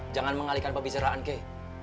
jangan mengalihkan pembicaraan kei